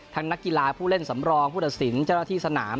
นักกีฬาผู้เล่นสำรองผู้ตัดสินเจ้าหน้าที่สนาม